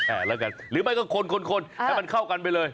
แล้วกันหรือไม่ก็คนคนให้มันเข้ากันไปเลย